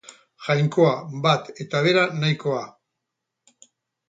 Jainkoa: bat eta bera nahikoa.